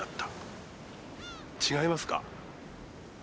違いますか？